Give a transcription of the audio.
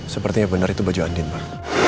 sepertinya benar itu baju andin pak